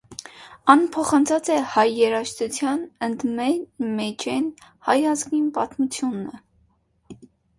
Ան փոխանցած է հայ երաժշտութեան ընդմէջէն, հայ ազգին պատմութիւնը։